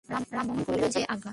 রামমোহন কহিল, যে আজ্ঞা।